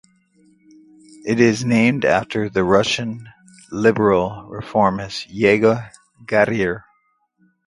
It is named after the Russian liberal reformist Yegor Gaidar.